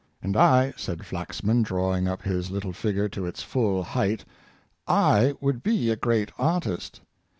" And I," said Flaxman, drawing up his little figure to its full height, "/ would be a great artist."